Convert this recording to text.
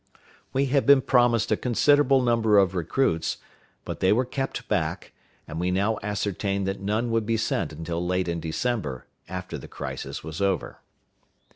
We had been promised a considerable number of recruits, but they were kept back; and we now ascertained that none would be sent until late in December, after the crisis was over.